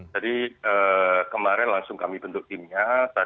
jadi kemarin langsung kami bentuk timnya